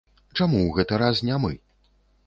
Чаму ў гэты раз не мы?